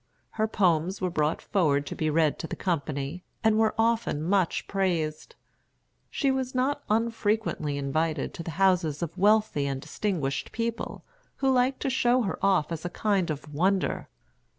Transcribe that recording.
Her poems were brought forward to be read to the company, and were often much praised. She was not unfrequently invited to the houses of wealthy and distinguished people, who liked to show her off as a kind of wonder.